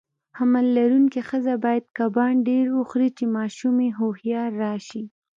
حمل لرونکي خزه باید کبان ډیر وخوري، چی ماشوم یی هوښیار راشي.